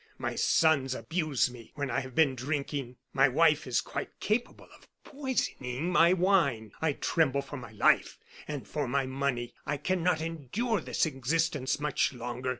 My sons abuse me when I have been drinking; my wife is quite capable of poisoning my wine; I tremble for my life and for my money. I cannot endure this existence much longer.